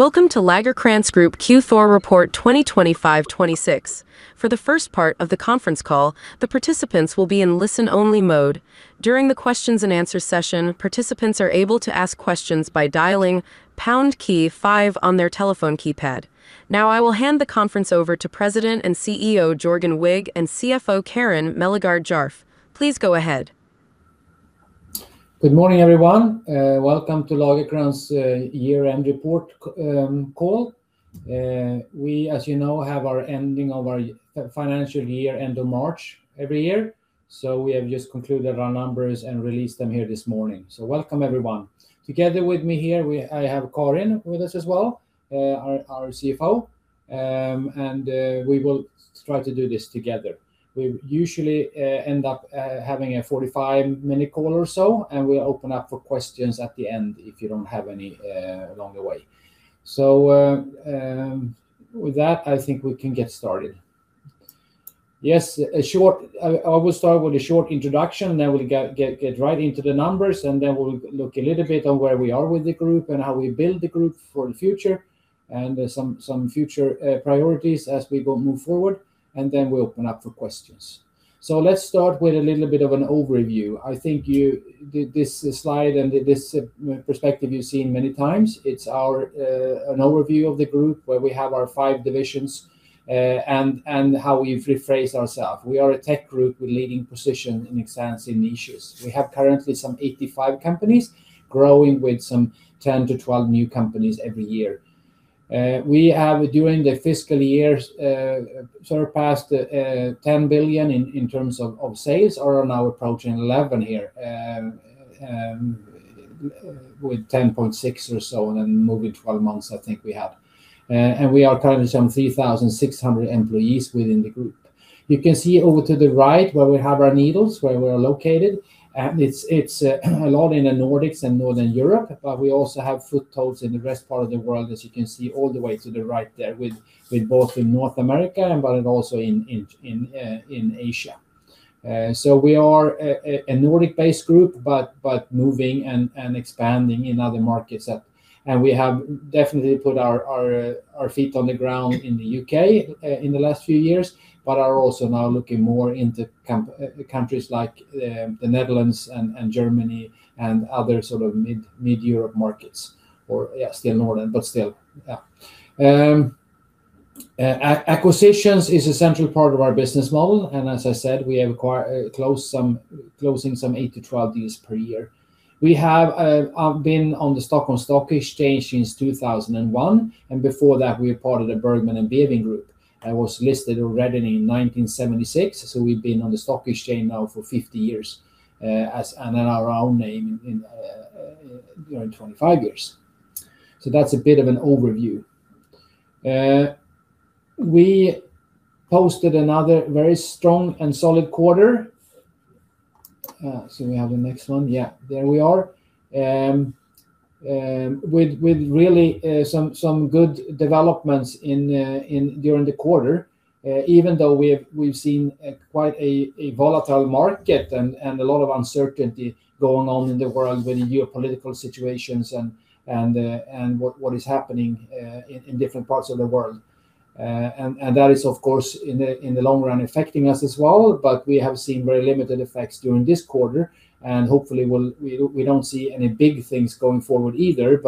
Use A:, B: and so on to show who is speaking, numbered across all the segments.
A: Welcome to Lagercrantz Group Q4 report 2025-2026. For the first part of the conference call, the participants will be in listen-only mode. During the questions and answer session, participants are able to ask questions by dialing pound key 5 on their telephone keypad. Now, I will hand the conference over to President and CEO Jörgen Wigh and CFO Karin Mellegård Djärf. Please go ahead.
B: Good morning, everyone. Welcome to Lagercrantz year-end report call. We, as you know, have our ending of our financial year end of March every year. We have just concluded our numbers and released them here this morning. Welcome, everyone. Together with me here, I have Karin with us as well, our CFO. We will try to do this together. We usually end up having a 45-minute call or so, and we'll open up for questions at the end if you don't have any along the way. With that, I think we can get started. Yes, I will start with a short introduction, and then we'll get right into the numbers, and then we'll look a little bit on where we are with the group and how we build the group for the future and some future priorities as we go move forward, and then we'll open up for questions. Let's start with a little bit of an overview. I think this slide and this perspective you've seen many times. It's our an overview of the group where we have our 5 divisions and how we've rephrased ourself. We are a tech group with leading position in expanding niches. We have currently some 85 companies growing with some 10 to 12 new companies every year. We have, during the fiscal years, surpassed 10 billion in sales. Are now approaching 11 billion here, with 10.6 billion or so, moving 12 months, I think we have. We are currently some 3,600 employees within the group. You can see over to the right where we have our needles, where we're located, a lot in the Nordics and Northern Europe, but we also have footholds in the rest part of the world, as you can see all the way to the right there in North America also in Asia. We are a Nordic-based group, but moving and expanding in other markets. We have definitely put our feet on the ground in the U.K. in the last few years, but are also now looking more into countries like the Netherlands and Germany and other sort of Mid-Europe markets or, yeah, still Northern, but still, yeah. Acquisitions is a central part of our business model, and as I said, we acquire, closing some eight to 12 deals per year. We have been on Nasdaq Stockholm since 2001, and before that, we were part of the Bergman & Beving Group that was listed already in 1976. We've been on the stock exchange now for 50 years, as and in our own name in 25 years. That's a bit of an overview. We posted another very strong and solid quarter. We have the next one. Yeah, there we are. With really some good developments in during the quarter, even though we've seen quite a volatile market and a lot of uncertainty going on in the world with geopolitical situations and what is happening in different parts of the world. That is, of course, in the long run affecting us as well, we have seen very limited effects during this quarter, hopefully we don't see any big things going forward either.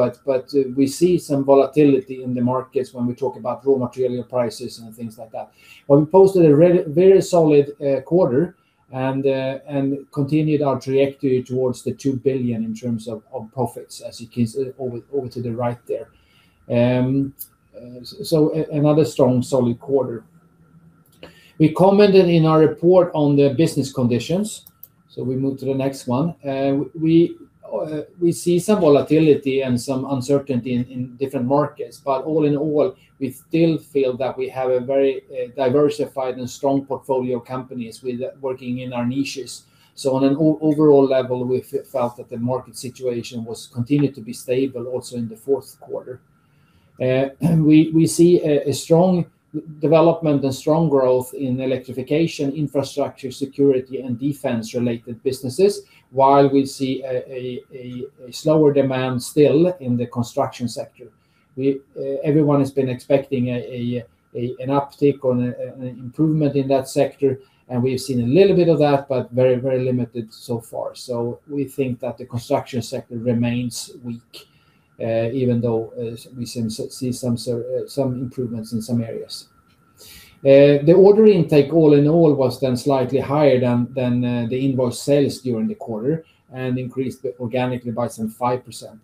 B: We see some volatility in the markets when we talk about raw material prices and things like that. We posted a very solid quarter and continued our trajectory towards 2 billion in terms of profits, as you can see over to the right there. Another strong, solid quarter. We commented in our report on the business conditions, we move to the next one. We see some volatility and some uncertainty in different markets, but all in all, we still feel that we have a very diversified and strong portfolio of companies with working in our niches. On an overall level, we felt that the market situation was continued to be stable also in the fourth quarter. We see a strong development and strong growth in electrification, infrastructure, security, and defense-related businesses while we see a slower demand still in the construction sector. Everyone has been expecting an uptick on an improvement in that sector, and we've seen a little bit of that, but very, very limited so far. We think that the construction sector remains weak, even though we see some improvements in some areas. The order intake all in all was then slightly higher than the invoice sales during the quarter and increased organically by some 5%.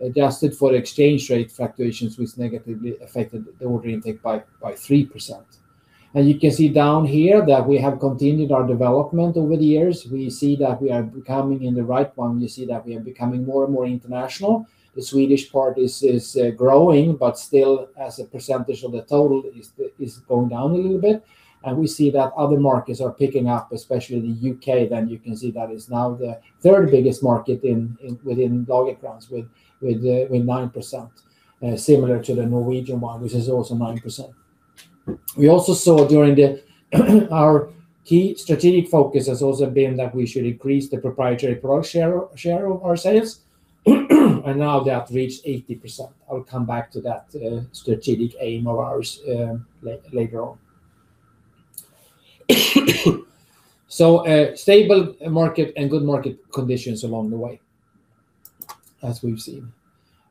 B: Adjusted for exchange rate fluctuations which negatively affected the order intake by 3%. You can see down here that we have continued our development over the years. We see that we are becoming in the right one. You see that we are becoming more and more international. The Swedish part is growing, but still as a percentage of the total is going down a little bit. We see that other markets are picking up, especially the U.K. You can see that is now the third biggest market in within Lagercrantz with 9%, similar to the Norwegian one, which is also 9%. We also saw our key strategic focus has also been that we should increase the proprietary product share of our sales. Now that reached 80%. I'll come back to that strategic aim of ours later on. A stable market and good market conditions along the way, as we've seen.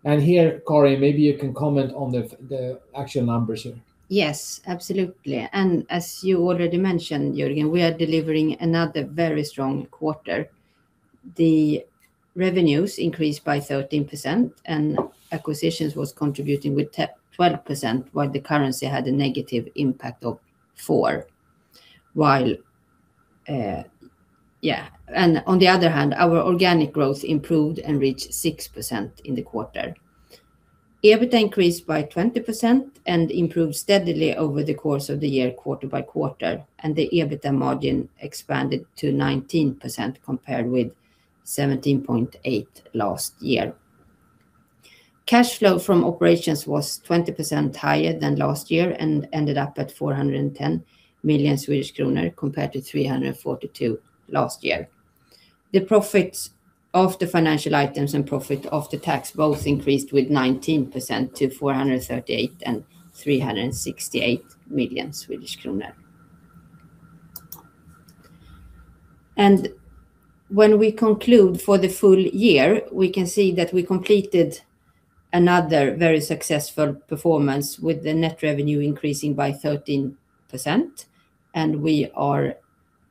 B: Here, Karin, maybe you can comment on the actual numbers here.
C: Yes, absolutely. As you already mentioned, Jörgen, we are delivering another very strong quarter. The revenues increased by 13%, and acquisitions was contributing with 12%, while the currency had a negative impact of 4%. On the other hand, our organic growth improved and reached 6% in the quarter. EBITDA increased by 20% and improved steadily over the course of the year quarter by quarter, and the EBITDA margin expanded to 19%, compared with 17.8% last year. Cash flow from operations was 20% higher than last year and ended up at 410 million Swedish kronor, compared to 342 million last year. The profits of the financial items and profit of the tax both increased with 19% to 438 million and 368 million Swedish kronor. When we conclude for the full year, we can see that we completed another very successful performance with the net revenue increasing by 13%. We are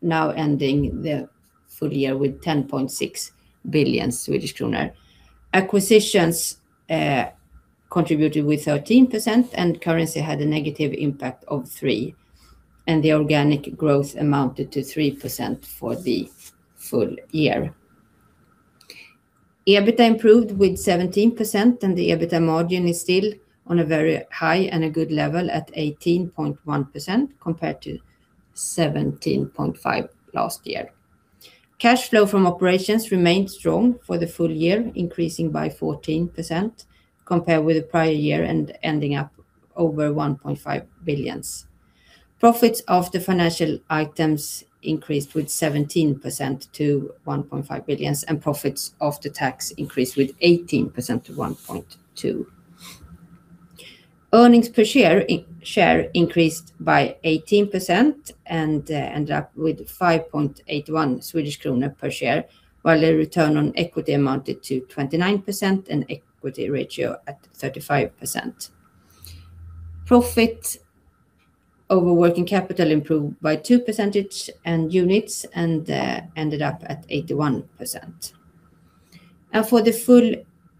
C: now ending the full year with 10.6 billion Swedish kronor. Acquisitions contributed with 13%. Currency had a negative impact of 3%. The organic growth amounted to 3% for the full year. EBITDA improved with 17%. The EBITDA margin is still on a very high and a good level at 18.1%, compared to 17.5% last year. Cash flow from operations remained strong for the full year, increasing by 14%, compared with the prior year and ending up over 1.5 billion. Profits of the financial items increased with 17% to 1.5 billion. Profits of the tax increased with 18% to 1.2 billion. Earnings per share increased by 18% and ended up with 5.81 Swedish kronor per share, while the return on equity amounted to 29% and equity ratio at 35%. Profit over working capital improved by 2 percentage points and ended up at 81%. For the full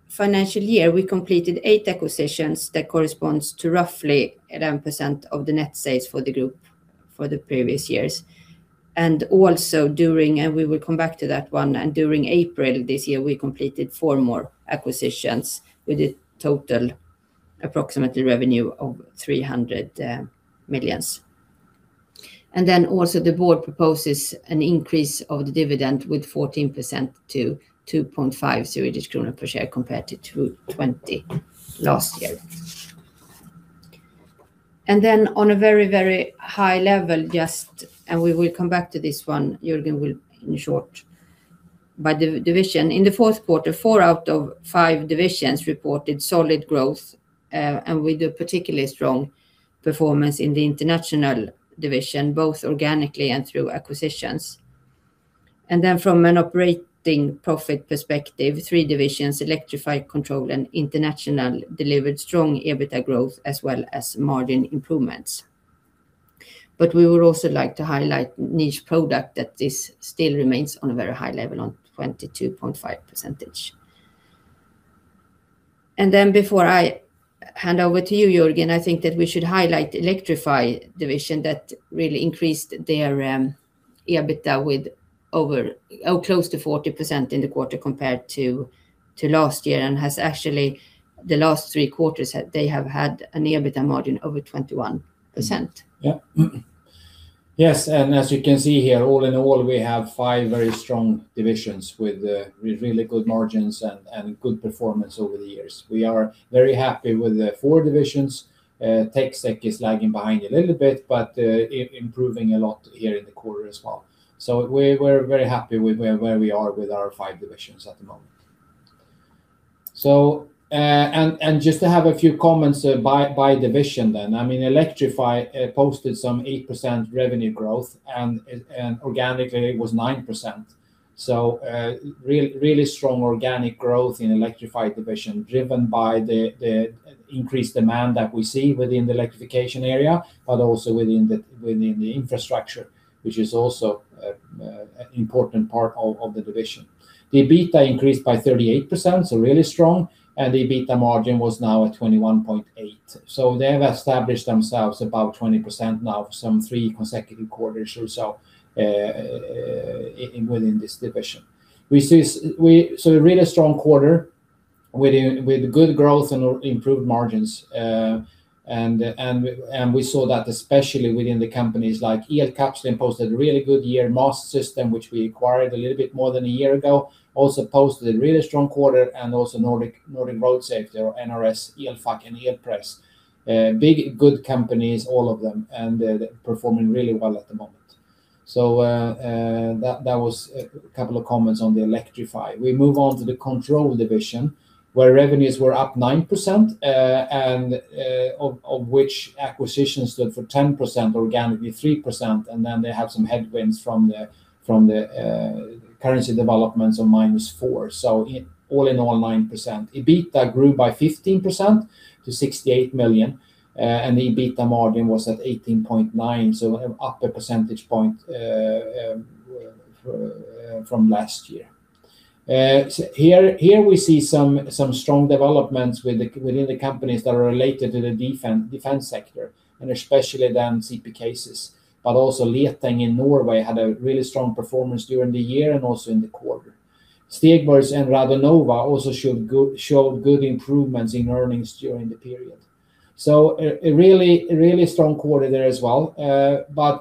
C: financial year, we completed eight acquisitions that corresponds to roughly 11% of the net sales for the group for the previous years. Also during, and we will come back to that one, and during April this year, we completed four more acquisitions with a total approximately revenue of 300 million. Also the board proposes an increase of the dividend with 14% to 2.50 Swedish kronor per share compared to 2.20 last year. On a very, very high level, and we will come back to this one, Jörgen will in short, by division. In the fourth quarter, four out of five divisions reported solid growth, with a particularly strong performance in the International division, both organically and through acquisitions. From an operating profit perspective, three divisions, Electrify, Control, and International, delivered strong EBITDA growth as well as margin improvements. We would also like to highlight Niche Products, that this still remains on a very high level on 22.5%. Before I hand over to you, Jörgen, I think that we should highlight Electrify division that really increased their EBITDA with over, close to 40% in the quarter compared to last year, and has actually, the last three quarters, they have had an EBITDA margin over 21%.
B: Yes, as you can see here, all in all, we have five very strong divisions with really good margins and good performance over the years. We are very happy with the four divisions. TecSec is lagging behind a little bit, but improving a lot here in the quarter as well. We're very happy with where we are with our five divisions at the moment. Just to have a few comments by division then. I mean Electrify posted some 8% revenue growth, and organically it was 9%. Really strong organic growth in Electrify division, driven by the increased demand that we see within the electrification area, but also within the infrastructure, which is also an important part of the division. The EBITDA increased by 38%, so really strong, and the EBITDA margin was now at 21.8%. They have established themselves above 20% now for some three consecutive quarters or so within this division. A really strong quarter with good growth and improved margins. We saw that especially within the companies like Elkapsling posted a really good year. Mastsystem, which we acquired a little bit more than a year ago, also posted a really strong quarter, and also Nordic Road Safety or NRS, Elfac, and Elpress. Big, good companies, all of them, and they're performing really well at the moment. That was a couple of comments on the Electrify. We move on to the Control division, where revenues were up 9%, and of which acquisitions stood for 10%, organically 3%, and then they have some headwinds from the currency developments of -4%. All in all, 9%. EBITDA grew by 15% to 68 million, and the EBITDA margin was at 18.9%, up a percentage point from last year. Here we see some strong developments with the companies that are related to the defense sector, and especially then CP Cases. Leteng in Norway had a really strong performance during the year and also in the quarter. Stegborgs and Radonova also showed good improvements in earnings during the period. A really strong quarter there as well.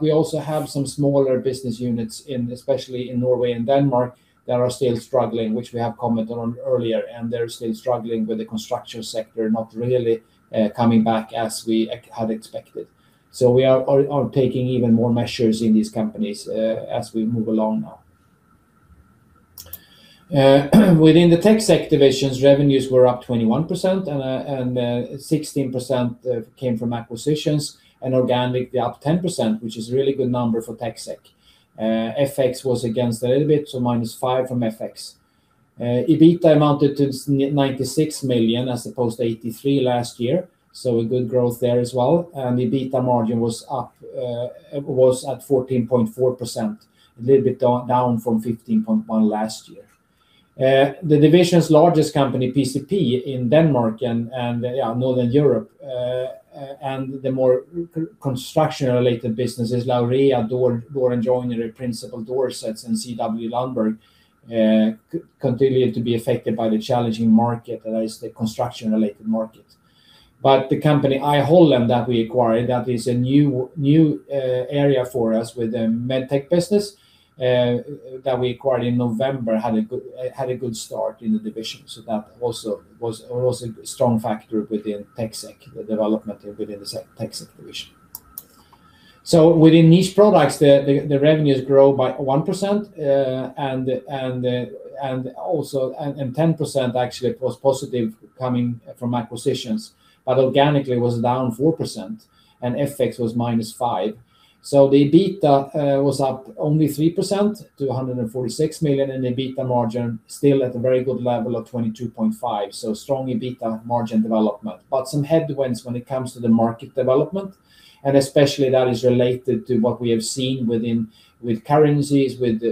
B: We also have some smaller business units in, especially in Norway and Denmark, that are still struggling, which we have commented on earlier, and they're still struggling with the construction sector not really coming back as we had expected. We are taking even more measures in these companies as we move along now. Within the TecSec divisions, revenues were up 21%, and 16% came from acquisitions, and organically up 10%, which is a really good number for TecSec. FX was against a little bit, -5% from FX. EBITDA amounted to 96 million as opposed to 83 million last year, a good growth there as well. The EBITDA margin was up, was at 14.4%, a little bit down from 15.1% last year. The division's largest company, PcP, in Denmark and yeah, Northern Europe, and the more construction-related businesses, Laurea, Door & Joinery, Principal Doorsets, and CW Lundberg, continued to be affected by the challenging market that is the construction-related market. the company I Holland that we acquired, that is a new area for us with the MedTech business, that we acquired in November, had a good start in the division. within Niche Products, the revenues grow by 1%, and also 10% actually was positive coming from acquisitions, but organically was down 4%, and FX was -5%. The EBITDA was up only 3% to 146 million, and EBITDA margin still at a very good level of 22.5%, so strong EBITDA margin development. Some headwinds when it comes to the market development, and especially that is related to what we have seen within currencies, with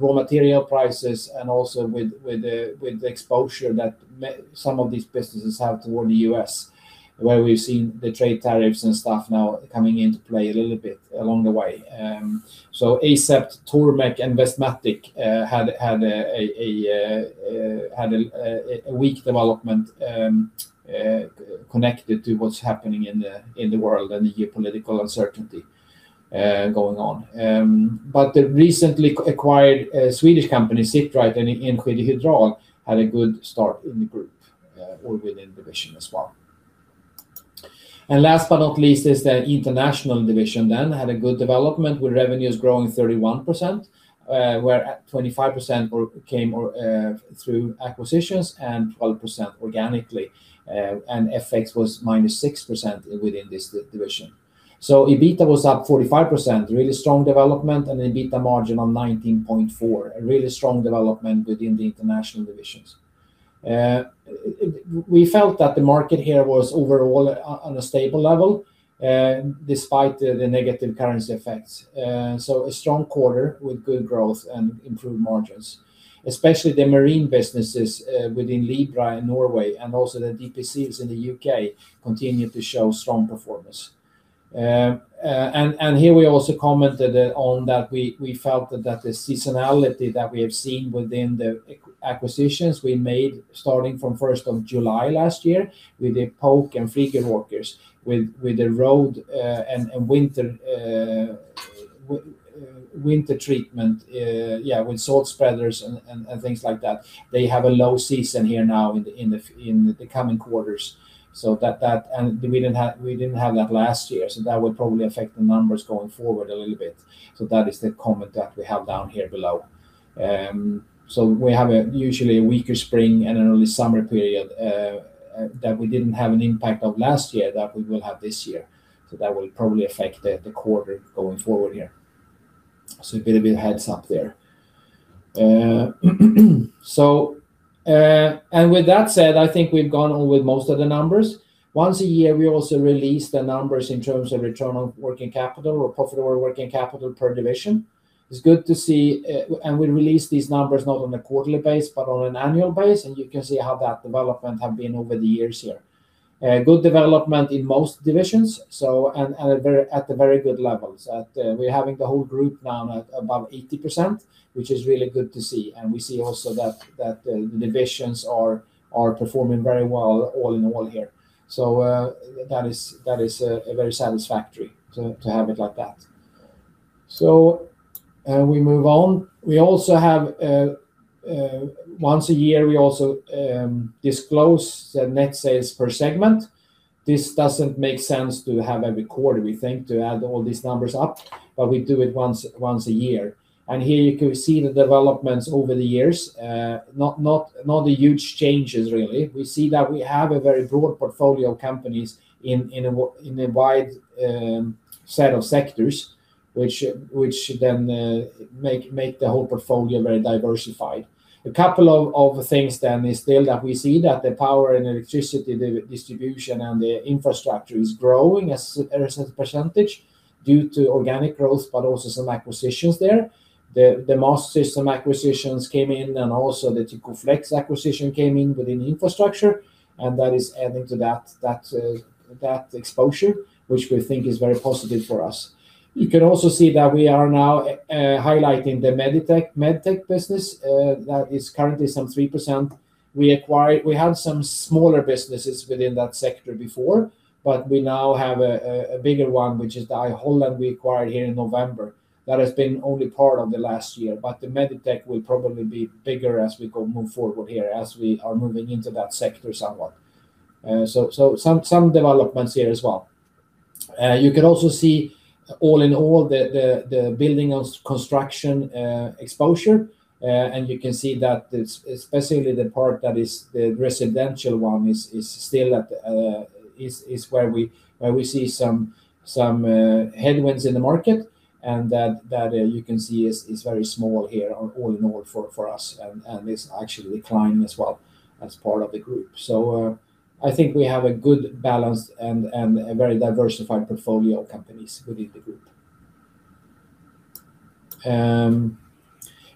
B: raw material prices, and also with the exposure that some of these businesses have toward the U.S., where we've seen the trade tariffs and stuff now coming into play a little bit along the way. Asept, Tormek, and Westmatic had a weak development connected to what's happening in the world and the geopolitical uncertainty going on. The recently acquired Swedish company, Sit Right and Enskede Hydraul, had a good start in the group or within division as well. Last but not least is the International division then had a good development with revenues growing 31%, where 25% came through acquisitions and 12% organically. FX was -6% within this division. EBITDA was up 45%, really strong development, and EBITDA margin on 19.4%, a really strong development within the International divisions. We felt that the market here was overall on a stable level, despite the negative currency effects. A strong quarter with good growth and improved margins, especially the marine businesses, within Libra in Norway and also DP Seals in the U.K. continue to show strong performance. Here we also commented on that we felt that the seasonality that we have seen within the acquisitions we made starting from 1st of July last year with the Epoke and Friggeråkers, with the road and winter treatment, yeah, with salt spreaders and things like that. They have a low season here now in the coming quarters. That we didn't have that last year, that will probably affect the numbers going forward a little bit. That is the comment that we have down here below. We have a usually weaker spring and an early summer period that we didn't have an impact of last year that we will have this year. That will probably affect the quarter going forward here. A bit of a heads up there. With that said, I think we've gone on with most of the numbers. Once a year, we also release the numbers in terms of return on working capital or profit over working capital per division. It's good to see, and we release these numbers not on a quarterly base, but on an annual base, and you can see how that development have been over the years here. Good development in most divisions, and at very good levels. We're having the whole group now at above 80%, which is really good to see. We see also that the divisions are performing very well all in all here. That is, that is very satisfactory to have it like that. We move on. We also have, once a year we also disclose the net sales per segment. This doesn't make sense to have every quarter, we think, to add all these numbers up, but we do it once a year. Here you can see the developments over the years. Not a huge changes really. We see that we have a very broad portfolio of companies in a wide set of sectors, which then make the whole portfolio very diversified. A couple of the things then is still that we see that the power and electricity distribution and the infrastructure is growing as a percentage due to organic growth, but also some acquisitions there. The Mastsystem acquisitions came in and also the Tykoflex acquisition came in within infrastructure, and that is adding to that exposure, which we think is very positive for us. You can also see that we are now highlighting the MedTech business. That is currently some 3%. We had some smaller businesses within that sector before, but we now have a bigger one, which is the I Holland we acquired here in November. That has been only part of the last year. The MedTech will probably be bigger as we move forward here, as we are moving into that sector somewhat. Some developments here as well. You can also see all in all the building of construction exposure. You can see that it's especially the part that is the residential one is still at, is where we see some headwinds in the market. That you can see is very small here all in all for us and it's actually declining as well as part of the group. I think we have a good balance and a very diversified portfolio of companies within the group.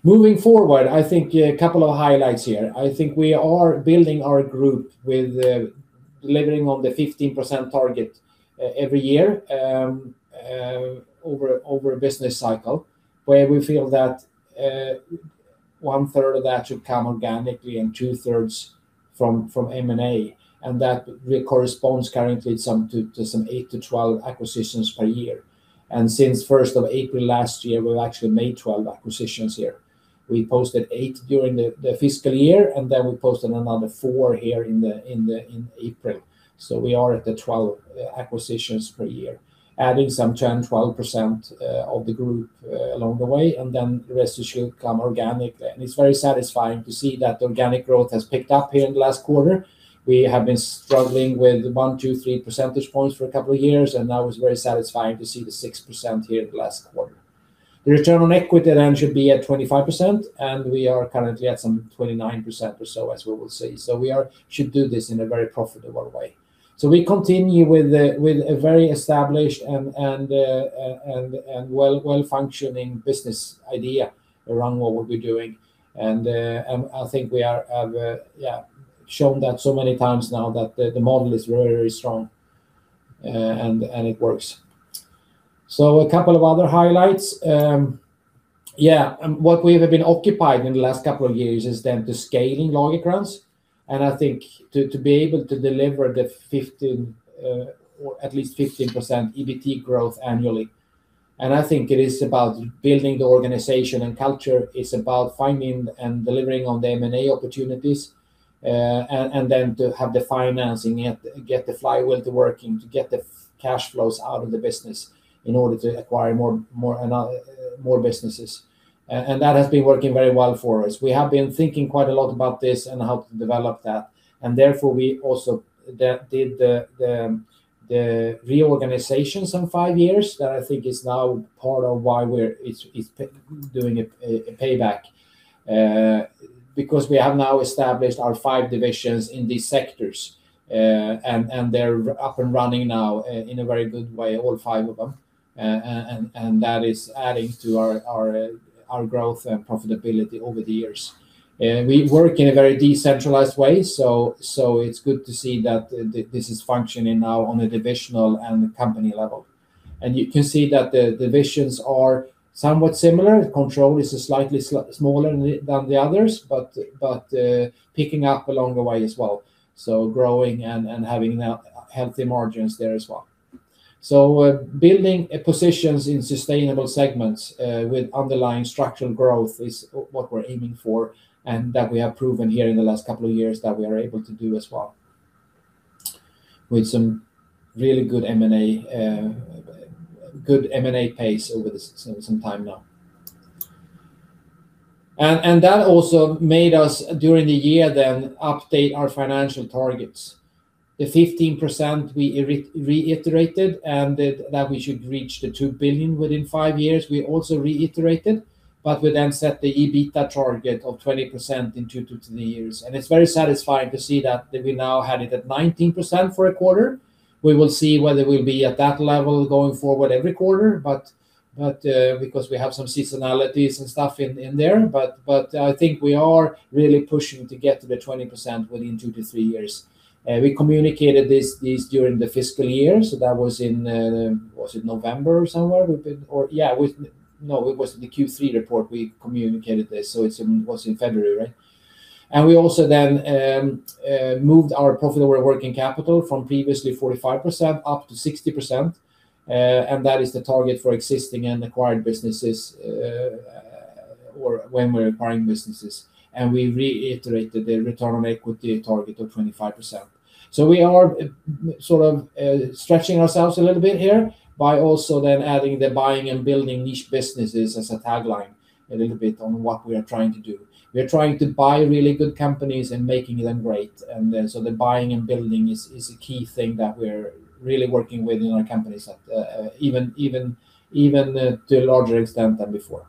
B: Moving forward, I think a couple of highlights here. I think we are building our group with delivering on the 15% target every year over a business cycle, where we feel that 1/3 of that should come organically and 2/3 from M&A. That corresponds currently some to some eight to 12 acquisitions per year. Since 1st of April last year, we've actually made 12 acquisitions here. We posted eight during the fiscal year, we posted another four here in April. We are at the 12 acquisitions per year, adding some 10%-12% of the group along the way, the rest should come organic. It's very satisfying to see that organic growth has picked up here in the last quarter. We have been struggling with 1, 2, 3 percentage points for a couple of years, that was very satisfying to see the 6% here in the last quarter. The return on equity should be at 25%, we are currently at some 29% or so, as we will see. We should do this in a very profitable way. We continue with a very established and well-functioning business idea around what we'll be doing. I think we have shown that so many times now that the model is very strong and it works. A couple of other highlights. What we have been occupied in the last couple of years is then the scaling Lagercrantz. I think to be able to deliver the 15% or at least 15% EBT growth annually, and I think it is about building the organization and culture. It's about finding and delivering on the M&A opportunities, and then to have the financing and get the flywheel to working, to get the cash flows out of the business in order to acquire more businesses. That has been working very well for us. We have been thinking quite a lot about this and how to develop that, therefore we also did the reorganization some five years that I think is now part of why we're doing a payback, because we have now established our five divisions in these sectors. They're up and running now in a very good way, all five of them. That is adding to our growth and profitability over the years. We work in a very decentralized way, so it's good to see that this is functioning now on a divisional and company level. You can see that the divisions are somewhat similar. Control is a slightly smaller than the others but, picking up along the way as well, growing and having now healthy margins there as well. Building a positions in sustainable segments with underlying structural growth is what we're aiming for, and that we have proven here in the last couple of years that we are able to do as well with some really good M&A, good M&A pace over some time now. That also made us, during the year then, update our financial targets. The 15% we reiterated, and that we should reach the 2 billion within five years, we also reiterated. We then set the EBITDA target of 20% in two to three years. It's very satisfying to see that we now had it at 19% for a quarter. We will see whether we'll be at that level going forward every quarter, but because we have some seasonalities and stuff in there, but I think we are really pushing to get to the 20% within two to three years. We communicated this during the fiscal year, so that was in, was it November somewhere we did? No, it was the Q3 report we communicated this, so it was in February, right? We also then moved our profit over working capital from previously 45% up to 60%. That is the target for existing and acquired businesses, or when we're acquiring businesses. We reiterated the return on equity target of 25%. We are sort of stretching ourselves a little bit here by also then adding the buying and building niche businesses as a tagline a little bit on what we are trying to do. We are trying to buy really good companies and making them great, the buying and building is a key thing that we're really working with in our companies at even at a larger extent than before.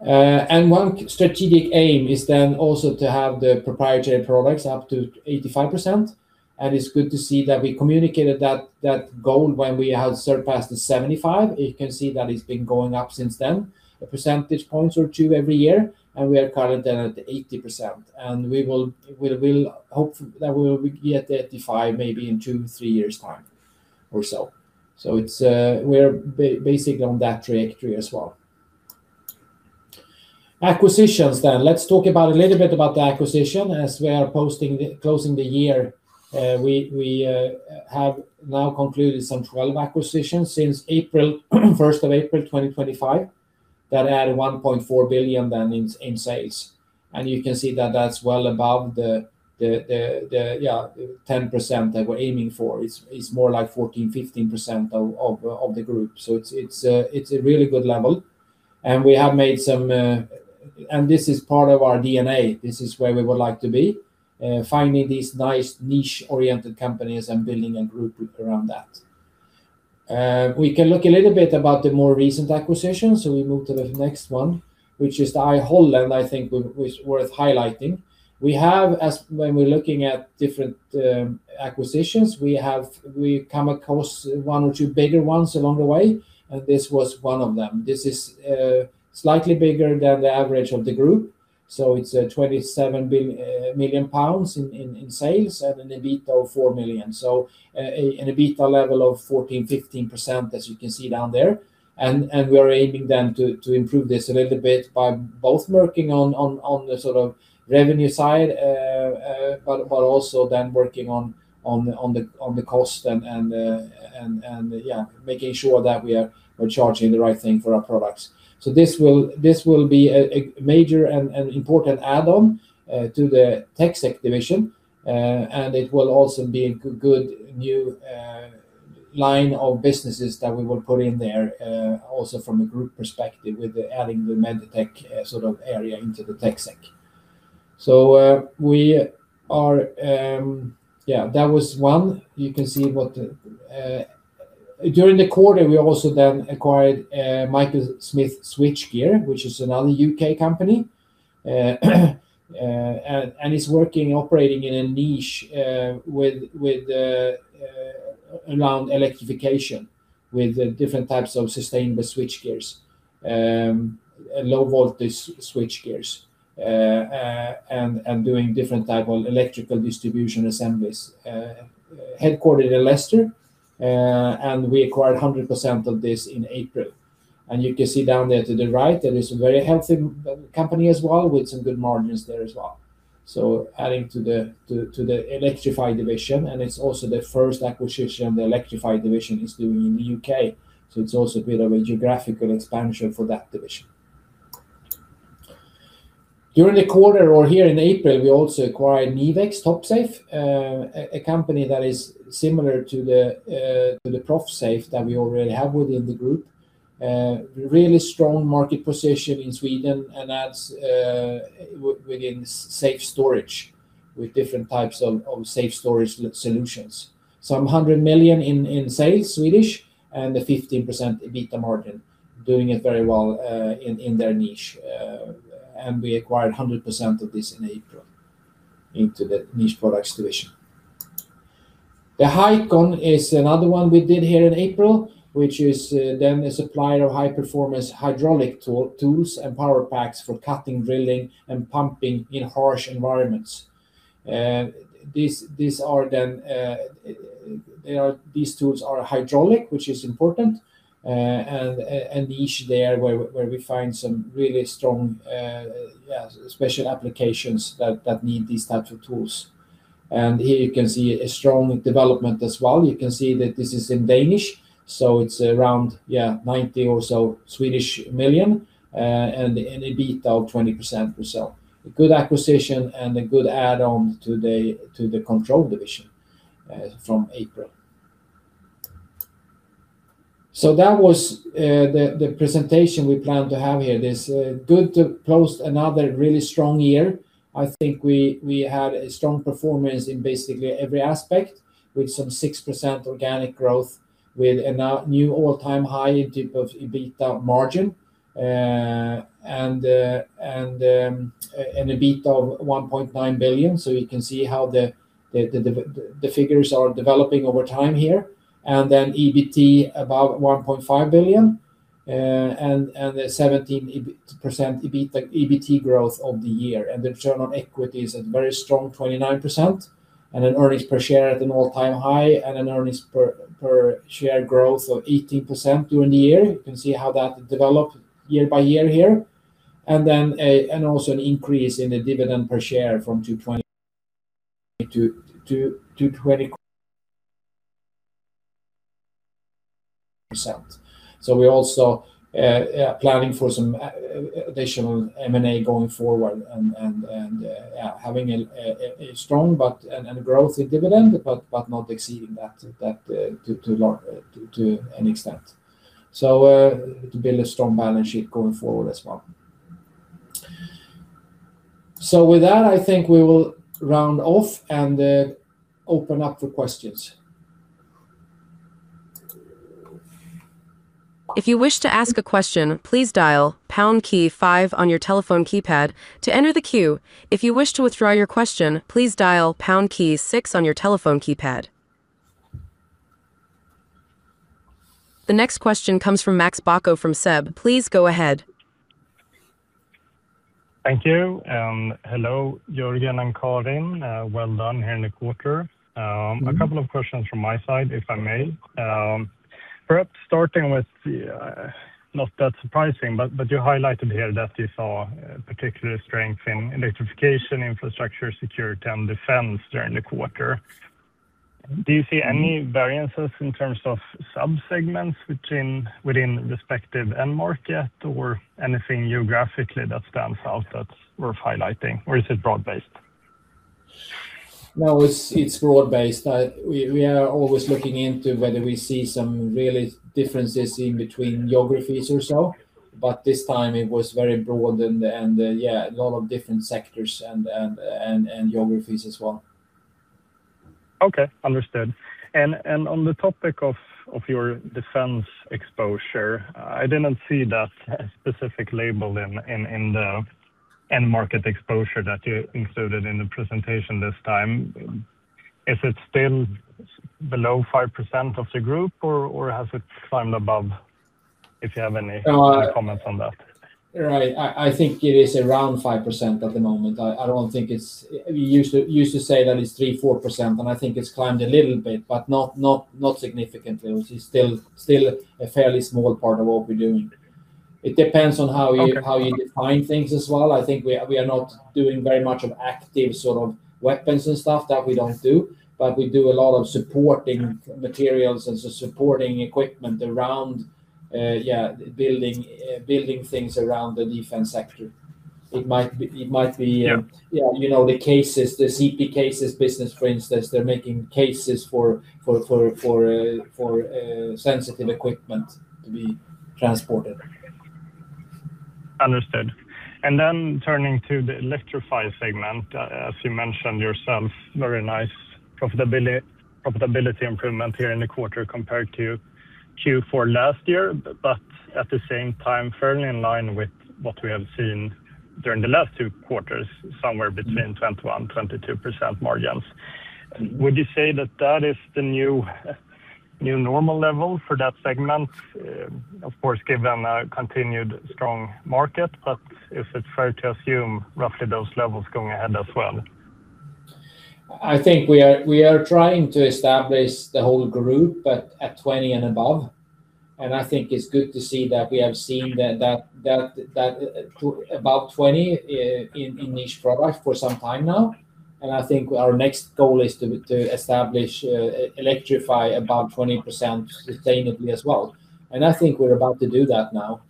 B: One strategic aim is then also to have the proprietary products up to 85%, and it's good to see that we communicated that goal when we had surpassed the 75%. You can see that it's been going up since then, a percentage point or two every year, and we are currently then at 80%. We will hope that we will be at the 85 maybe in two, three years' time or so. It's, We're basic on that trajectory as well. Acquisitions. Let's talk a little bit about the acquisition as we are posting, closing the year. We have now concluded some 12 acquisitions since April, 1st of April 2025, that add 1.4 billion then in sales. You can see that that's well above the 10% that we're aiming for. It's more like 14%, 15% of the group. It's a really good level. We have made some. This is part of our DNA. This is where we would like to be, finding these nice niche-oriented companies and building a group around that. We can look a little bit about the more recent acquisitions, so we move to the next one, which is I Holland I think was worth highlighting. We have, as when we're looking at different acquisitions, we come across one or two bigger ones along the way, and this was one of them. This is slightly bigger than the average of the group. It's 27 million pounds in sales and an EBITDA of 4 million. An EBITDA level of 14%-15% as you can see down there. We are aiming then to improve this a little bit by both working on the sort of revenue side, but also then working on the cost and, yeah, making sure that we are, we're charging the right thing for our products. This will be a major and important add-on to the TecSec division. It will also be a good new line of businesses that we will put in there, also from a group perspective with adding the MedTech sort of area into the TecSec. We are. Yeah, that was one. You can see what During the quarter, we also then acquired Michael Smith Switchgear, which is another U.K. company, and is working, operating in a niche, with around electrification, with different types of sustainable switchgears, low-voltage switchgears, and doing different type of electrical distribution assemblies. Headquartered in Leicester, and we acquired 100% of this in April. You can see down there to the right that it's a very healthy company as well with some good margins there as well. Adding to the Electrify division, it's also the first acquisition the Electrify division is doing in the U.K., it's also a bit of a geographical expansion for that division. During the quarter or here in April, we also acquired Nivex Topsafe, a company that is similar to the Profsafe that we already have within the group. Really strong market position in Sweden, that's within safe storage with different types of safe storage solutions. Some 100 million in sales Swedish and a 15% EBITDA margin, doing it very well in their niche. We acquired 100% of this in April into the Niche Products division. The Hycon is another one we did here in April, which is then a supplier of high-performance hydraulic tools and power packs for cutting, drilling, and pumping in harsh environments. These tools are hydraulic, which is important, and niche there where we find some really strong, special applications that need these types of tools. Here you can see a strong development as well. You can see that this is in Danish, so it's around 90 million, and EBITDA of 20% or so. A good acquisition and a good add-on to the Control division, from April. That was the presentation we planned to have here. It is good to close another really strong year. I think we had a strong performance in basically every aspect with some 6% organic growth with a new all-time high in terms of EBITDA margin and EBITDA of 1.9 billion. You can see how the figures are developing over time here. Then EBT about 1.5 billion and a 17% EBT growth of the year. The return on equity is a very strong 29%. An earnings per share at an all-time high and an earnings per share growth of 18% during the year. You can see how that developed year by year here. Also an increase in the dividend per share from 2.20 to 2.50. We're also planning for some additional M&A going forward and having a strong growth in dividend, but not exceeding that to an extent. To build a strong balance sheet going forward as well. With that, I think we will round off and open up for questions.
A: If you wish to ask a question, please dial pound key 5 on your telephone keypad to enter the queue. If you wish to withdraw your question, please dial pound key 6 on your telephone keypad. The next question comes from Max Bacco from SEB. Please go ahead.
D: Thank you. Hello, Jörgen and Karin. Well done here in the quarter. A couple of questions from my side, if I may. Perhaps starting with, not that surprising, but you highlighted here that you saw a particular strength in electrification, infrastructure, security and defense during the quarter. Do you see any variances in terms of sub-segments within respective end market or anything geographically that stands out that's worth highlighting? Or is it broad-based?
B: It's broad-based. We are always looking into whether we see some really differences in between geographies or so, this time it was very broad and, yeah, a lot of different sectors and geographies as well.
D: Okay. Understood. On the topic of your defense exposure, I didn't see that specific label in the end market exposure that you included in the presentation this time. Is it still below 5% of the group or has it climbed above? If you have any comments on that?
B: Right. I think it is around 5% at the moment. We used to say that it's 3%, 4%, I think it's climbed a little bit, not significantly, which is still a fairly small part of what we're doing. It depends on how you.
D: Okay.
B: How you define things as well. I think we are not doing very much of active sort of weapons and stuff. That we don't do. We do a lot of supporting materials, supporting equipment around building things around the defense sector. It might be.
D: Yeah.
B: Yeah, you know, the CP Cases business, for instance. They're making cases for sensitive equipment to be transported.
D: Understood. Turning to the Electrify segment, as you mentioned yourself, very nice profitability improvement here in the quarter compared to Q4 last year. Fairly in line with what we have seen during the last two quarters, somewhere between 21%-22% margins. Would you say that that is the new normal level for that segment? Of course, given a continued strong market, but if it's fair to assume roughly those levels going ahead as well.
B: I think we are trying to establish the whole group, but at 20 and above. I think it's good to see that we have seen that about 20% in Niche Products for some time now. I think our next goal is to establish Electrify about 20% sustainably as well. I think we're about to do that now.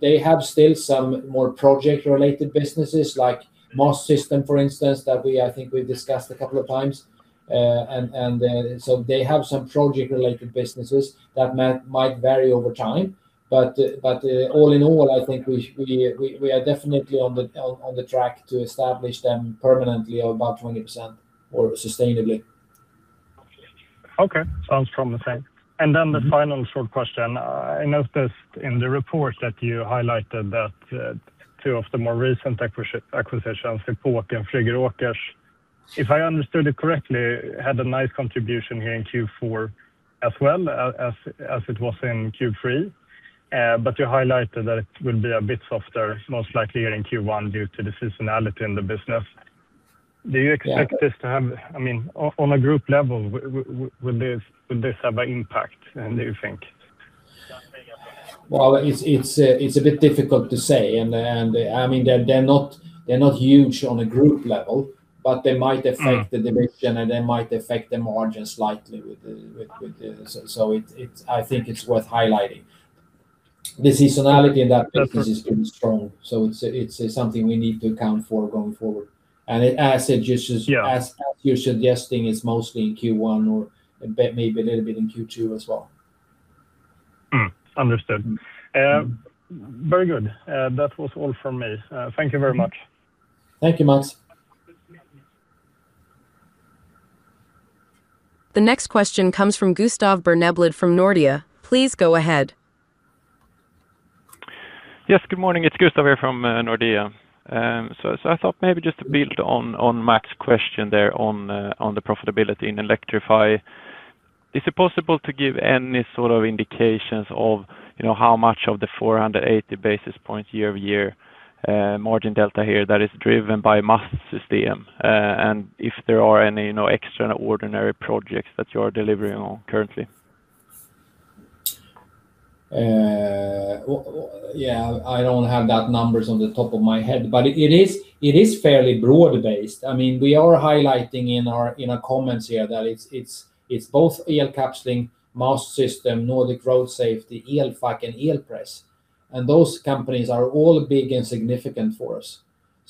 B: They have still some more project related businesses like Mastsystem, for instance, that we I think we've discussed a couple of times. They have some project related businesses that might vary over time. All in all, I think we are definitely on the track to establish them permanently at about 20% or sustainably.
D: Okay. Sounds promising. The final short question. I noticed in the report that you highlighted that two of the more recent acquisitions, Epoke and Friggeråkers, if I understood it correctly, had a nice contribution here in Q4 as well as it was in Q3. You highlighted that it will be a bit softer, most likely here in Q1 due to the seasonality in the business.
B: Yeah.
D: Do you expect this to have I mean, on a group level, would this have an impact then, do you think?
B: Well, it's a bit difficult to say. I mean, they're not huge on a group level, but they might affect the direction and they might affect the margins slightly. I think it's worth highlighting. The seasonality in that business is pretty strong. It's something we need to account for going forward. As suggested.
D: Yeah.
B: As you're suggesting, it's mostly in Q1 or maybe a little bit in Q2 as well.
D: Understood. Very good. That was all from me. Thank you very much.
B: Thank you, Max.
A: The next question comes from Gustav Berneblad from Nordea. Please go ahead.
E: Yes, good morning. It's Gustav here from Nordea. I thought maybe just to build on Max's question there on the profitability in Electrify. Is it possible to give any sort of indications of, you know, how much of the 480 basis points year-over-year margin delta here that is driven by Mastsystem? If there are any, you know, extraordinary projects that you are delivering on currently?
B: Yeah, I don't have that numbers on the top of my head, but it is fairly broad-based. I mean, we are highlighting in our, in our comments here that it's both Elkapsling, Mastsystem, Nordic Road Safety, Elfac and Elpress. Those companies are all big and significant for us.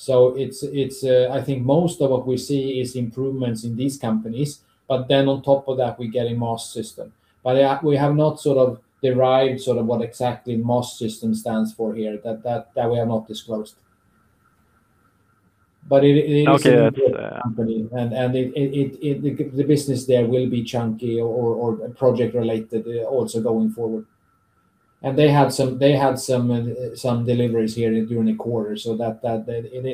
B: It's, I think most of what we see is improvements in these companies, but then on top of that, we're getting Mastsystem. Yeah, we have not sort of derived sort of what exactly Mastsystem stands for here, that we have not disclosed. It is.
E: Okay. Yeah.
B: A good company and it, the business there will be chunky or project related also going forward. They had some deliveries here during the quarter so that,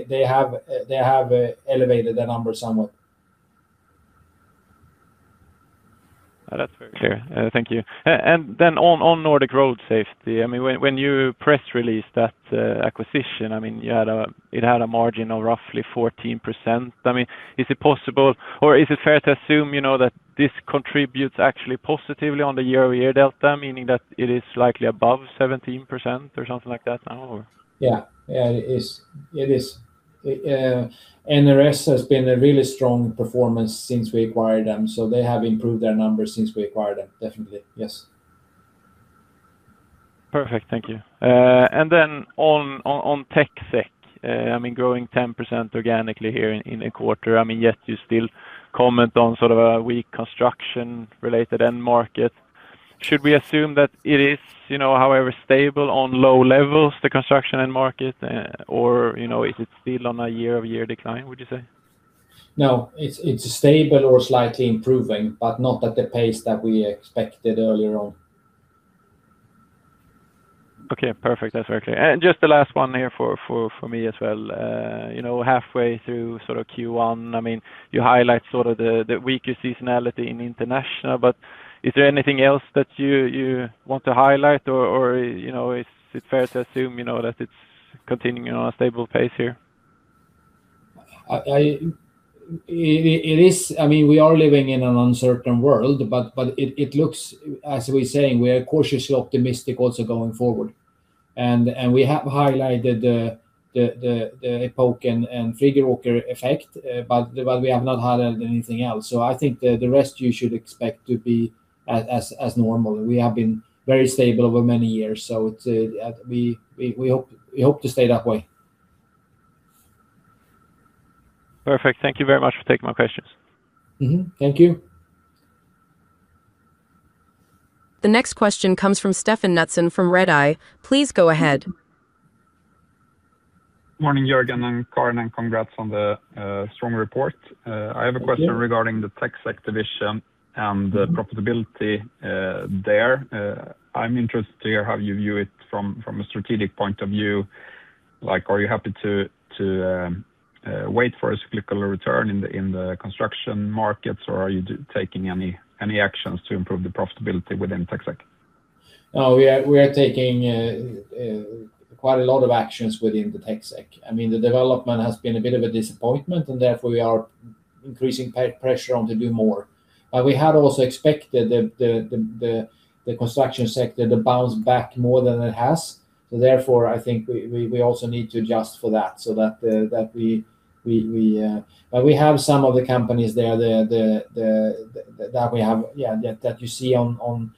B: they have elevated the numbers somewhat.
E: That's very clear. Thank you. Then on Nordic Road Safety, I mean, when you press release that acquisition, I mean, it had a margin of roughly 14%. I mean, is it possible or is it fair to assume, you know, that this contributes actually positively on the year-over-year delta, meaning that it is likely above 17% or something like that now?
B: Yeah. Yeah, it is. It is. NRS has been a really strong performance since we acquired them, so they have improved their numbers since we acquired them. Definitely, yes.
E: Perfect. Thank you. Then on TecSec, I mean, growing 10% organically here in a quarter, yet you still comment on sort of a weak construction related end market. Should we assume that it is, you know, however stable on low levels, the construction end market, or, you know, is it still on a year-over-year decline, would you say?
B: No, it's stable or slightly improving, but not at the pace that we expected earlier on.
E: Okay. Perfect. That's very clear. Just the last one here for me as well. You know, halfway through sort of Q1, I mean, you highlight sort of the weaker seasonality in International. Is there anything else that you want to highlight or, you know, is it fair to assume, you know, that it's continuing on a stable pace here?
B: I mean, we are living in an uncertain world, but it looks, as we are saying, we are cautiously optimistic also going forward. We have highlighted the Epoke and Friggeråkers effect, but we have not highlighted anything else. I think the rest you should expect to be as normal. We have been very stable over many years, so to, we hope to stay that way.
E: Perfect. Thank you very much for taking my questions.
B: Mm-hmm. Thank you.
A: The next question comes from Stefan Knutsson from Redeye. Please go ahead.
F: Morning, Jörgen and Karin, congrats on the strong report.
B: Thank you.
F: I have a question regarding the TecSec division and the profitability there. I'm interested to hear how you view it from a strategic point of view. Like, are you happy to wait for a cyclical return in the construction markets, or are you taking any actions to improve the profitability within TecSec?
B: We are taking quite a lot of actions within the TecSec. I mean, the development has been a bit of a disappointment, and therefore we are increasing pressure on to do more. We had also expected the construction sector to bounce back more than it has. Therefore, I think we also need to adjust for that. We have some of the companies there, the that we have that you see on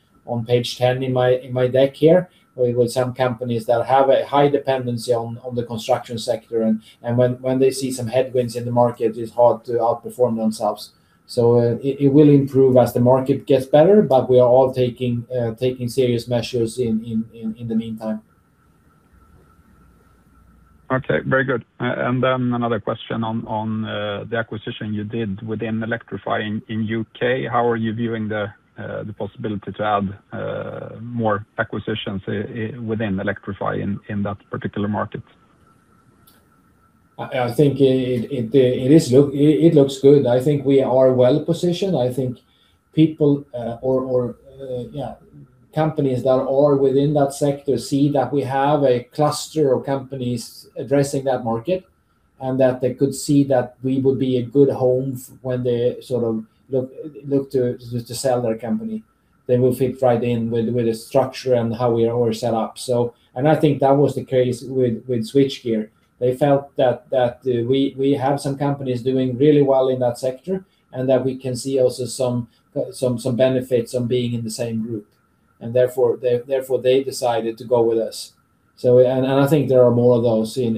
B: page 10 in my deck here, with some companies that have a high dependency on the construction sector and when they see some headwinds in the market, it's hard to outperform themselves. It will improve as the market gets better, but we are all taking serious measures in the meantime.
F: Okay. Very good. Then another question on the acquisition you did within Electrify in U.K. How are you viewing the possibility to add more acquisitions within Electrify in that particular market?
B: I think it looks good. I think we are well-positioned. I think people, or, yeah, companies that are within that sector see that we have a cluster of companies addressing that market, and that they could see that we would be a good home when they sort of look to sell their company. They will fit right in with the structure and how we are set up. I think that was the case with Switchgear. They felt that, we have some companies doing really well in that sector, and that we can see also some benefits on being in the same group, and therefore they decided to go with us. And I think there are more of those in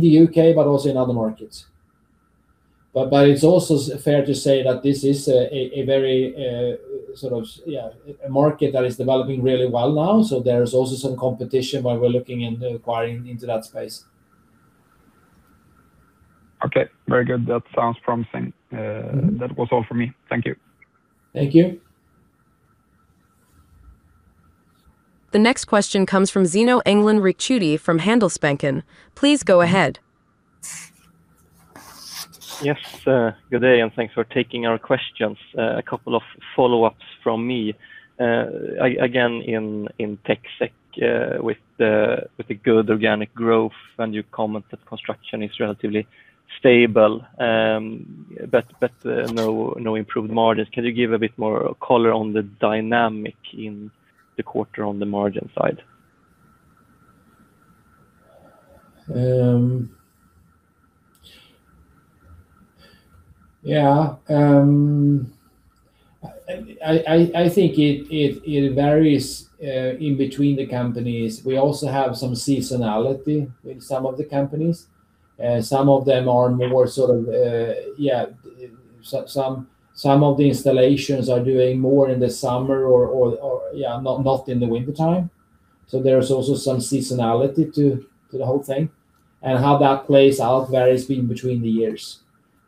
B: the U.K., but also in other markets. But it's also fair to say that this is a very a market that is developing really well now. There's also some competition when we're looking into acquiring into that space.
F: Okay. Very good. That sounds promising. That was all for me. Thank you.
B: Thank you.
A: The next question comes from Zino Engdalen Ricciuti from Handelsbanken. Please go ahead.
G: Yes, sir. Good day. Thanks for taking our questions. Again, in TecSec, with the good organic growth and you comment that construction is relatively stable, no improved margins. Can you give a bit more color on the dynamic in the quarter on the margin side?
B: I think it varies in between the companies. We also have some seasonality with some of the companies. Some of them are more sort of, some of the installations are doing more in the summer or not in the wintertime. There is also some seasonality to the whole thing, and how that plays out varies between the years.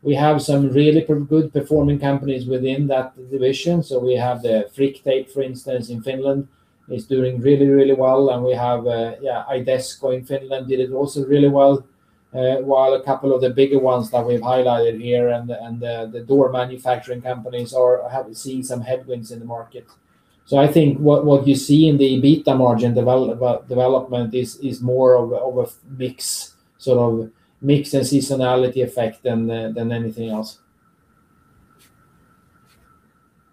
B: We have some really good performing companies within that division, so we have the Frictape, for instance, in Finland. It's doing really, really well, and we have Idesco in Finland did it also really well, while a couple of the bigger ones that we've highlighted here and the door manufacturing companies have seen some headwinds in the market. I think what you see in the EBITDA margin development is more of a mix, sort of mix and seasonality effect than anything else.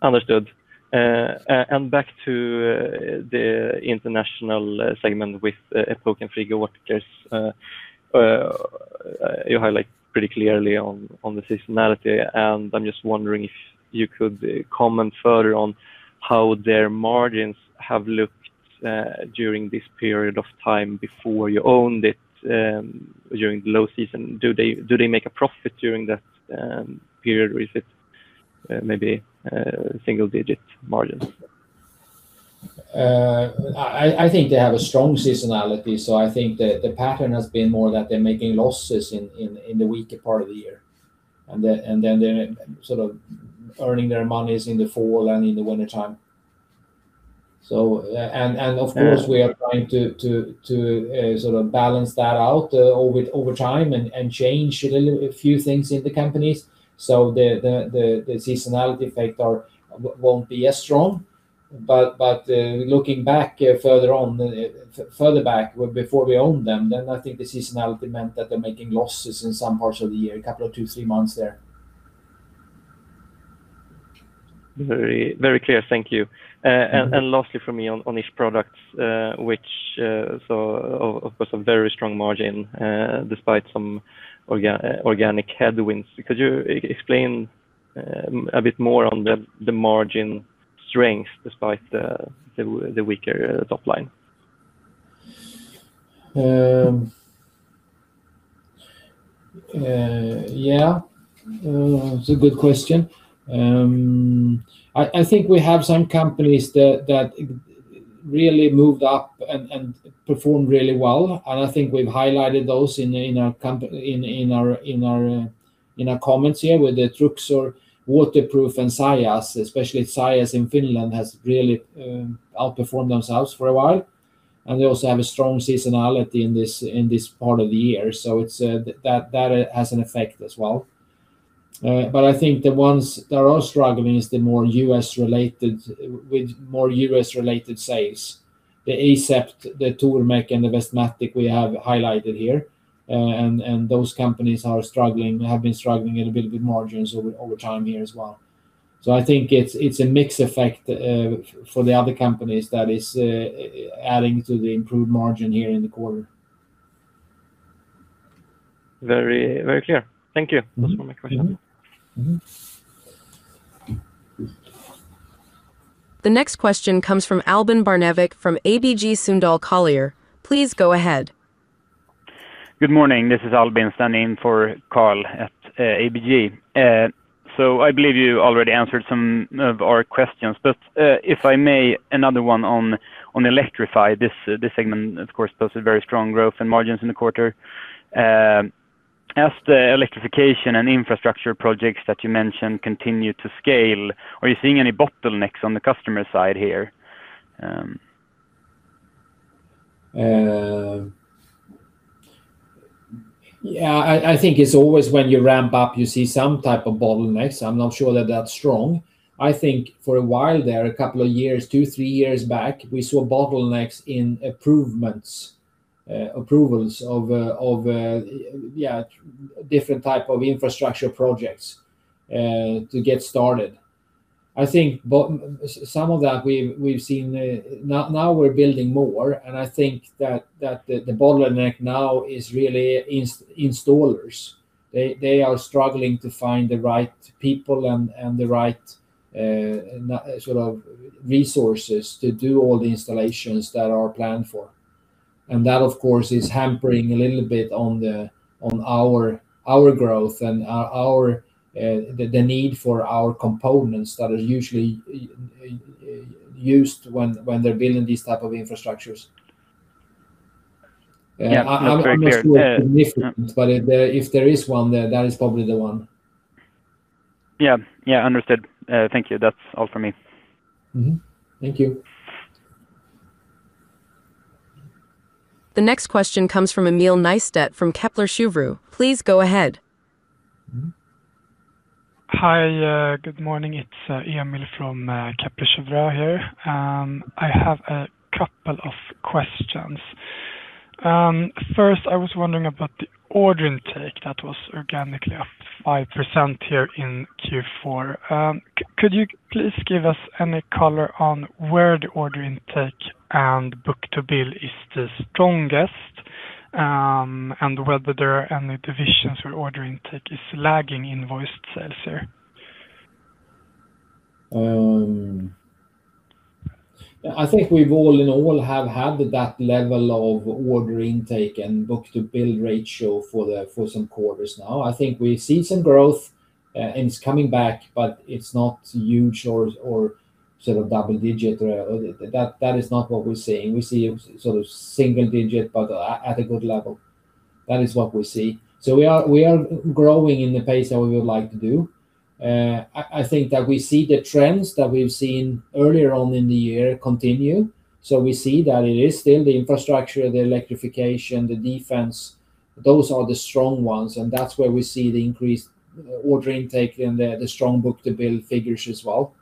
G: Understood. Back to the International segment with Epoke and Friggeråkers, I guess you highlight pretty clearly on the seasonality. I am just wondering if you could comment further on how their margins have looked during this period of time before you owned it, during the low season? Do they make a profit during that period, or is it maybe single-digit margins?
B: I think they have a strong seasonality, so I think the pattern has been more that they're making losses in the weaker part of the year and then they're sort of earning their monies in the fall and in the wintertime. Of course, we are trying to sort of balance that out over time and change a few things in the companies so the seasonality factor won't be as strong. Looking back further back before we owned them, then I think the seasonality meant that they're making losses in some parts of the year, two, three months there.
G: Very, very clear. Thank you. Lastly from me on Niche Products, which saw of course, a very strong margin, despite some organic headwinds. Could you explain a bit more on the margin strength despite the weaker top line?
B: Yeah. That's a good question. I think we have some companies that really moved up and performed really well, and I think we've highlighted those in our comments here with the Truxor, Waterproof, and Sajas, especially Sajas in Finland, has really outperformed themselves for a while, and they also have a strong seasonality in this, in this part of the year. That has an effect as well. I think the ones that are struggling is the more U.S. related, with more U.S.-related sales. The Asept, the Tormek, and the Westmatic we have highlighted here, and those companies are struggling, have been struggling a little bit with margins over time here as well. I think it's a mix effect, for the other companies that is, adding to the improved margin here in the quarter.
G: Very, very clear. Thank you. Those were my questions.
B: Mm-hmm. Mm-hmm.
A: The next question comes from Albin Barnevik from ABG Sundal Collier. Please go ahead.
H: Good morning. This is Albin, standing in for Carl at ABG. I believe you already answered some of our questions, but if I may, another one on Electrify. This segment, of course, posted very strong growth and margins in the quarter. As the electrification and infrastructure projects that you mentioned continue to scale, are you seeing any bottlenecks on the customer side here?
B: Yeah, I think it's always when you ramp up, you see some type of bottlenecks. I'm not sure they're that strong. I think for a while there, a couple of years, two, three years back, we saw bottlenecks in improvements, approvals of different type of infrastructure projects, to get started. I think some of that we've seen, now we're building more, and I think that the bottleneck now is really installers. They are struggling to find the right people and the right sort of resources to do all the installations that are planned for. That, of course, is hampering a little bit on our growth and our the need for our components that are usually used when they're building these type of infrastructures.
H: Yeah, I'm very clear the-
B: I'm not sure the difference, but if there, if there is one there, that is probably the one.
H: Yeah. Yeah, understood. Thank you. That's all for me.
B: Mm-hmm. Thank you.
A: The next question comes from Emil Nystedt from Kepler Cheuvreux. Please go ahead.
I: Hi. Good morning. It's Emil from Kepler Cheuvreux here. I have a couple of questions. First, I was wondering about the order intake that was organically up 5% here in Q4. Could you please give us any color on where the order intake and book-to-bill is the strongest, and whether there are any divisions where order intake is lagging invoiced sales here?
B: I think we've all in all have had that level of order intake and book-to-bill ratio for some quarters now. I think we see some growth, and it's coming back, but it's not huge or sort of double-digit or that is not what we're seeing. We see a sort of single-digit but at a good level. That is what we see. We are growing in the pace that we would like to do. I think that we see the trends that we've seen earlier on in the year continue, so we see that it is still the infrastructure, the electrification, the defense, those are the strong ones, and that's where we see the increased order intake and the strong book-to-bill figures as well.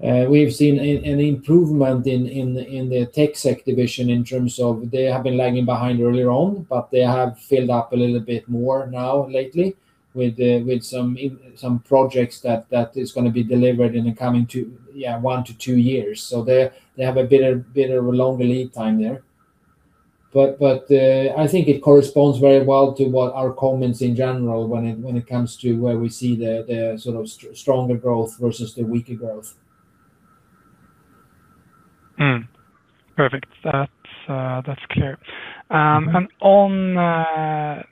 B: We've seen an improvement in the TecSec division in terms of they have been lagging behind earlier on. They have filled up a little bit more now lately with some projects that is gonna be delivered in the coming one to two years. They have a bit of a long lead time there. I think it corresponds very well to what our comments in general when it comes to where we see the stronger growth versus the weaker growth.
I: Perfect. That's clear. On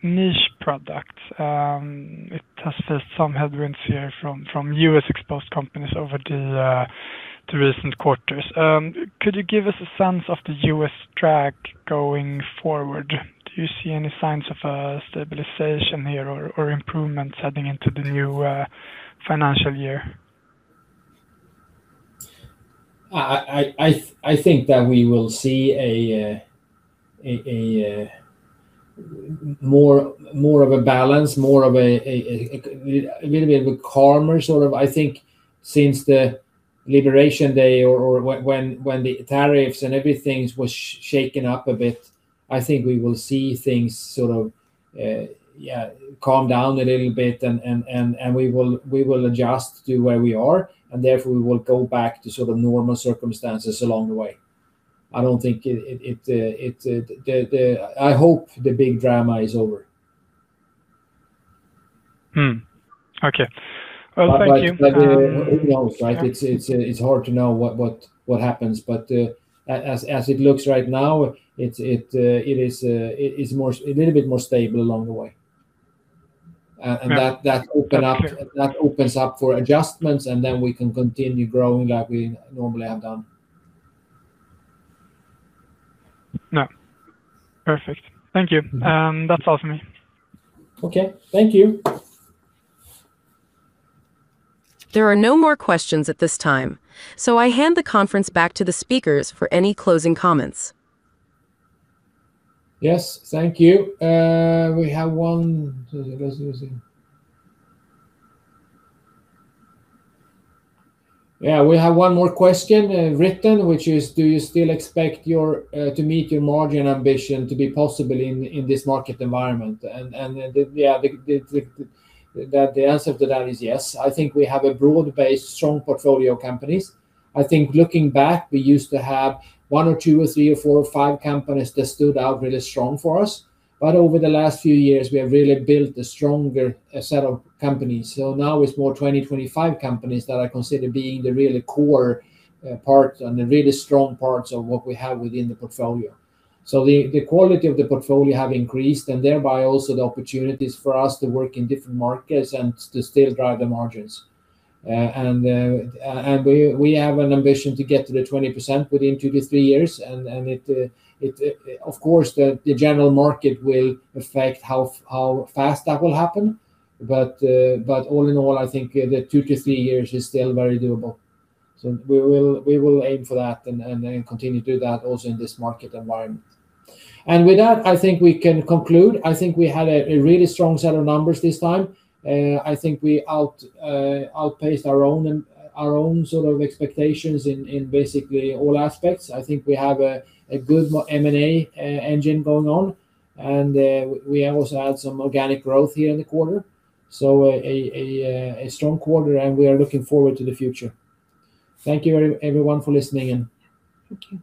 I: Niche Products, it has had some headwinds here from U.S.-exposed companies over the recent quarters. Could you give us a sense of the U.S. track going forward? Do you see any signs of stabilization here or improvements heading into the new financial year?
B: I think that we will see a more of a balance, more of a little bit of a calmer sort of. I think since the Liberation Day or when the tariffs and everything was shaken up a bit, I think we will see things sort of, yeah, calm down a little bit and we will adjust to where we are, and therefore we will go back to sort of normal circumstances along the way. I don't think it, the I hope the big drama is over.
I: Okay.
B: But, but
I: Well, thank you.
B: Who knows, right? It's hard to know what happens, but as it looks right now, it is more, a little bit more stable along the way. That-
I: Yeah. Okay.
B: That opens up for adjustments, and then we can continue growing like we normally have done.
I: No. Perfect. Thank you. That's all for me.
B: Okay. Thank you.
A: There are no more questions at this time. I hand the conference back to the speakers for any closing comments.
B: Yes. Thank you. We have one more question written, which is, "Do you still expect your to meet your margin ambition to be possible in this market environment?" The answer to that is yes. I think we have a broad-based strong portfolio companies. I think looking back, we used to have one or two or three or four or five companies that stood out really strong for us. Over the last few years, we have really built a stronger, a set of companies. Now it's more 20, 25 companies that I consider being the really core part and the really strong parts of what we have within the portfolio. The quality of the portfolio have increased, and thereby also the opportunities for us to work in different markets and to still drive the margins. We have an ambition to get to 20% within two to three years, and it, of course, the general market will affect how fast that will happen. All in all, I think the two to three years is still very doable. We will aim for that and continue to do that also in this market environment. With that, I think we can conclude. I think we had a really strong set of numbers this time. I think we outpaced our own sort of expectations in basically all aspects. I think we have a good M&A engine going on, and we also had some organic growth here in the quarter. A strong quarter, and we are looking forward to the future. Thank you everyone for listening in.
A: Thank you.